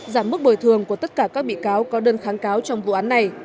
giảm mức bồi thường của tất cả các bị cáo có đơn kháng cáo trong vụ án này